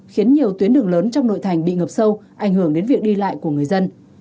khiến nhiều tuyến đường lớn trong nội thành bị ngập sâu ảnh hưởng đến việc đi lại của người dân